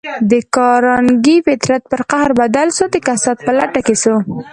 د کارنګي فطرت پر قهر بدل شو او د کسات په لټه کې شو.